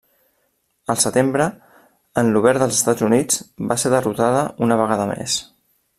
El setembre, en l'Obert dels Estats Units, va ser derrotada una vegada més.